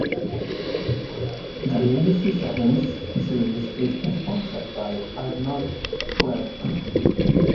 The Legacy Sevens series is sponsored by Arnold Clark.